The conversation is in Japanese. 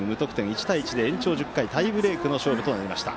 １対１で延長タイブレーク勝負となりました。